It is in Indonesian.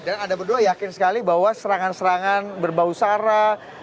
dan anda berdua yakin sekali bahwa serangan serangan berbau sara